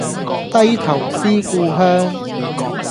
低頭思故鄉